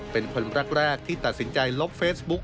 เป็นคนแรกที่ตัดสินใจลบเฟซบุ๊ก